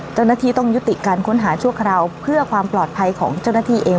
เจ้าหน้าที่ต้องยุติการค้นหาชั่วคราวเพื่อความปลอดภัยของเจ้าหน้าที่เอง